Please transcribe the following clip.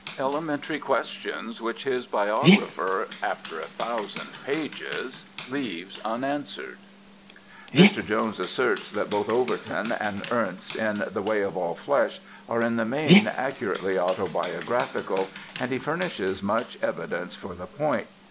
Elementary questions which his biographer after a thousand pages leaves unanswered. Mr. Jones asserts that both Overton and Ernest in "The Way of All Flesh" are in the main accurately autobiographical, and he furnishes much evidence for the point.